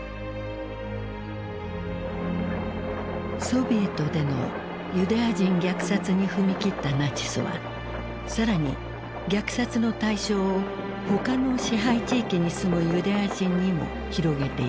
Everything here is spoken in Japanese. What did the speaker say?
ソビエトでのユダヤ人虐殺に踏み切ったナチスは更に虐殺の対象を他の支配地域に住むユダヤ人にも広げていく。